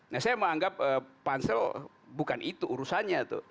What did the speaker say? nah saya menganggap pansel bukan itu urusannya tuh